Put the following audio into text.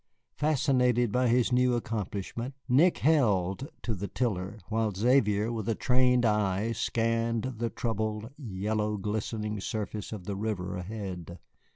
Fascinated by a new accomplishment, Nick held to the tiller, while Xavier with a trained eye scanned the troubled, yellow glistening surface of the river ahead.